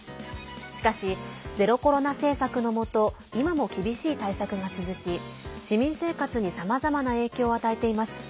しかし、ゼロコロナ政策の下今も厳しい対策が続き市民生活にさまざまな影響を与えています。